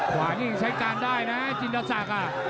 ขวานี่ยังใช้การได้นะจินตศักดิ์